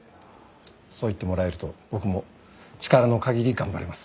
そう言ってもらえると僕も力の限り頑張れます。